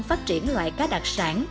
phát triển loài cá đặc sản